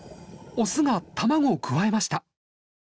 オスが卵をくわえました。